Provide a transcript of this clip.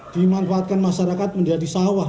dimanfaatkan masyarakat menjadi sawah